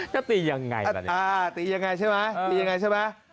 ก็ตีอย่างไรน่ะ